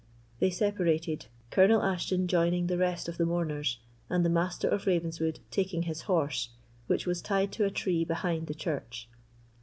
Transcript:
They separated; Colonel Ashton joining the rest of the mourners, and the Master of Ravenswood taking his horse, which was tied to a tree behind the church.